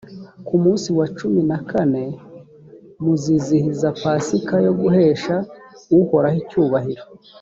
ku munsi wa cumi na kane muzizihiza pasika yo guhesha uhoraho icyubahiro.